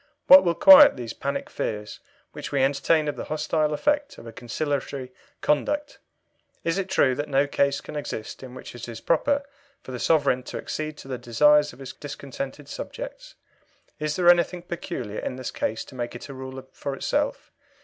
What will quiet these panic fears which we entertain of the hostile effect of a conciliatory conduct? Is it true that no case can exist in which it is proper for the Sovereign to accede to the desires of his discontented subjects? Is there anything peculiar in this case to make it a rule for itself?